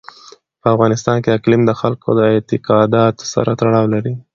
په افغانستان کې اقلیم د خلکو د اعتقاداتو سره تړاو لري.